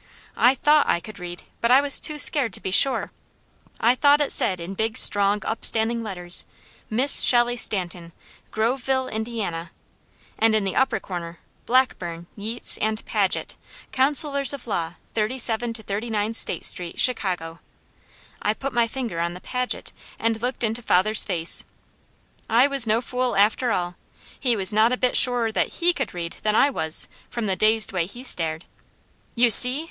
I THOUGHT I could read, but I was too scared to be sure. I thought it said in big, strong, upstanding letters, Miss Shelley Stanton, Groveville, Indiana. And in the upper corner, Blackburn, Yeats and PAGET, Counsellors of Law, 37 to 39 State St., Chicago. I put my finger on the Paget, and looked into father's face. I was no fool after all. He was not a bit surer that HE could read than I was, from the dazed way he stared. "You see!"